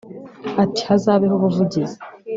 Ati “Hazabeho ubuvugizi